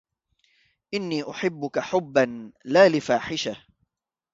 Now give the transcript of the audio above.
إني أحبك حبا لا لفاحشة